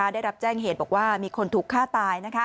ได้รับแจ้งเหตุบอกว่ามีคนถูกฆ่าตาย